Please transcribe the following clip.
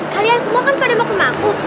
kalian semua kan pada mau kemahku